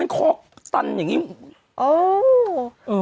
แต่คนต่างอยู่